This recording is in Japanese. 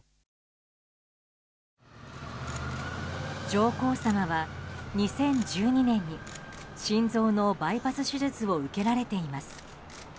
上皇さまは２０１２年に心臓のバイパス手術を受けられています。